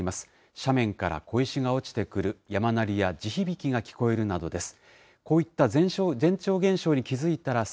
斜面から小石が落ちてくる、山鳴りや地響きが聞こえるなどです。